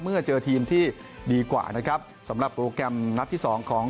เมื่อเจอทีมที่ดีกว่านะครับสำหรับโปรแกรมนัดที่สองของ